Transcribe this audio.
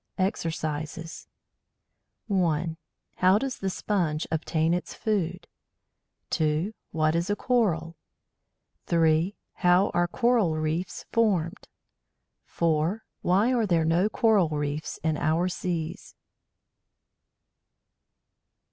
EXERCISES 1. How does the Sponge obtain its food? 2. What is Coral? 3. How are Coral reefs formed? 4. Why are there no Coral reefs in our seas?